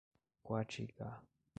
Quatiguá